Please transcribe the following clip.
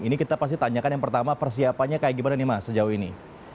ini kita pasti tanyakan yang pertama persiapannya kayak gimana nih mas sejauh ini